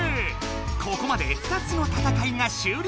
ここまで２つの戦いが終了！